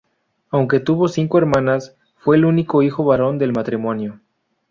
Aunque tuvo cinco hermanas, fue el único hijo varón del matrimonio.